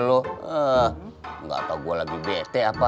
dewi kenapa aku panggil panggil nggak denger ya